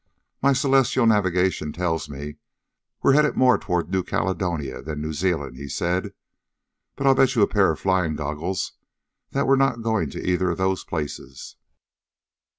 "My celestial navigation tells me we're headed more toward New Caledonia than New Zealand," he said. "But I'll bet you a pair of flying goggles that we're not going to either of those places."